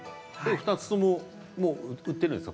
２つとも売っているんですか？